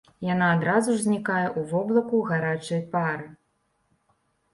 Яна адразу ж знікае ў воблаку гарачай пары.